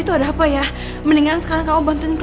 takutnya kalau kamu kecapean nanti kamu sakit